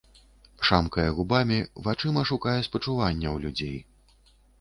Шамкае губамі, вачыма шукае спачування ў людзей.